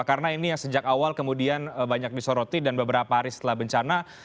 karena ini yang sejak awal kemudian banyak disoroti dan beberapa hari setelah bencana